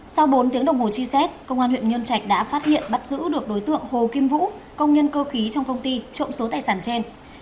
sau bốn tiếng đồng hồ truy xét công an huyện nhân trạch đã phát hiện bắt giữ được đối tượng hồ kim vũ công nhân cơ khí trong công ty trộm số tài sản trên